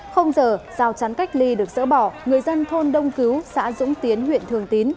không giờ rào chắn cách ly được dỡ bỏ người dân thôn đông cứu xã dũng tiến huyện thường tín